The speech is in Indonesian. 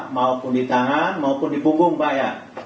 maupun di tangan maupun di punggung baya